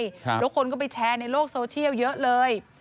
แล้วคนก็ไปแชร์ในโลกโซเชียลเยอะเลย